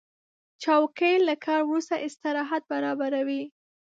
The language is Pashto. چوکۍ له کار وروسته استراحت برابروي.